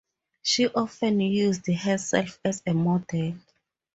She often used herself as a model.